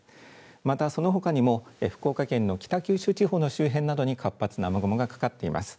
またそのほかにも福岡県の北九州地方の周辺などに活発な雨雲がかかっています。